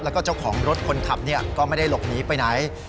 แล้วก็เจ้าของรถคนขับก็ไม่ได้หลบหนีไปไหน